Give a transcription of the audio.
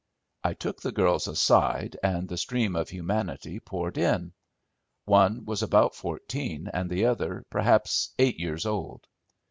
I took the girls aside and the stream of humanity poured in. One was about fourteen and the other, perhaps, eight years old.